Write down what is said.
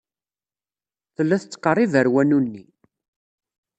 Tella tettqerrib ɣer wanu-nni.